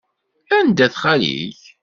Anda-t xali-k?